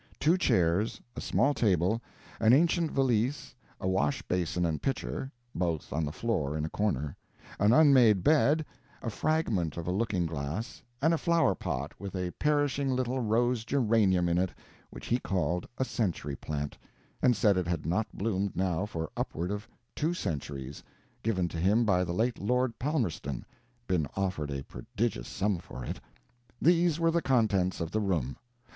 Two chairs, a small table, an ancient valise, a wash basin and pitcher (both on the floor in a corner), an unmade bed, a fragment of a looking glass, and a flower pot, with a perishing little rose geranium in it, which he called a century plant, and said it had not bloomed now for upward of two centuries given to him by the late Lord Palmerston (been offered a prodigious sum for it) these were the contents of the room.